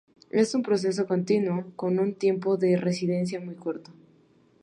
Es un proceso continuo con un tiempo de residencia muy corto.